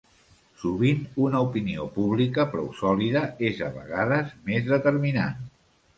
Sovint una opinió pública prou sòlida és a vegades més determinant.